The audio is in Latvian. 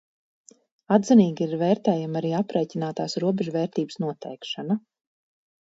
Atzinīgi ir vērtējama arī aprēķinātās robežvērtības noteikšana.